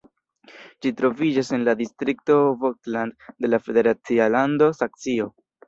Ĝi troviĝas en la distrikto Vogtland de la federacia lando Saksio.